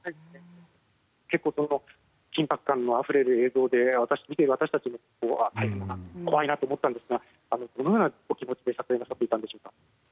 緊迫感あふれる映像で見ている私たちも怖いなと思ったんですがどのようなお気持ちで撮影されたんですか？